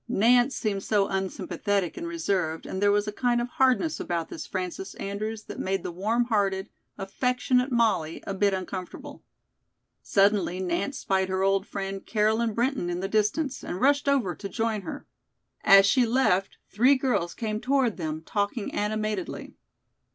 Nance seemed so unsympathetic and reserved and there was a kind of hardness about this Frances Andrews that made the warm hearted, affectionate Molly a bit uncomfortable. Suddenly Nance spied her old friend, Caroline Brinton, in the distance, and rushed over to join her. As she left, three girls came toward them, talking animatedly.